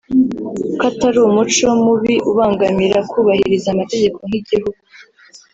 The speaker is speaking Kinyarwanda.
ko atari umuco mubi ubangamira kubahiriza amategeko nk’igihugu